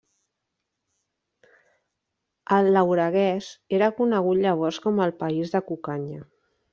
El Lauraguès era conegut llavors com el País de Cucanya.